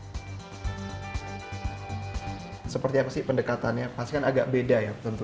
dalam setahun ia berhasil balik modal dan menebus kembali mobil yang menjadi jaminan tersebut